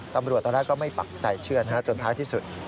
ตำรวจตอนแรกก็ไม่ปักใจเชื่อนะฮะจนท้ายที่สุด